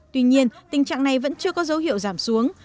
tuy nhiên tình trạng này vẫn chưa có dấu hiệu giảm xuống